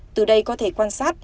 từ đây có thể quan sát